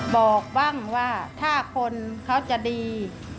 บอกบ้างว่าถ้าคนเขาจะดี